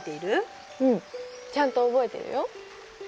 うんちゃんと覚えてるよ。